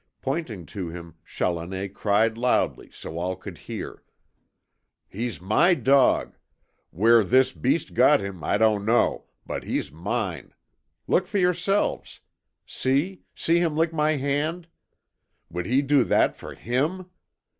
Pointing to him, Challoner cried loudly, so all could hear. "He's my dog. Where this beast got him I don't know. But he's mine. Look for yourselves! See see him lick my hand. Would he do that for HIM?